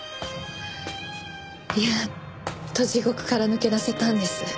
やっと地獄から抜け出せたんです。